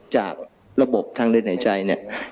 จากระบบทางเลือดในใจเนี่ย